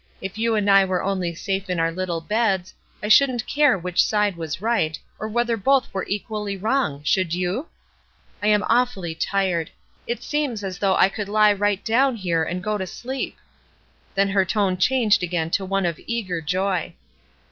If you and I were only safe in our Uttle beds, I shouldn't care which side was right, or whether both were equally wrong, should you ? I am awfully tired ! It seems as though I could he right down here and go to sleep." Then her tone changed again to one of eager joy.